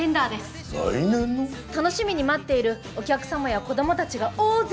楽しみに待っているお客様や子どもたちが大勢いるはずです。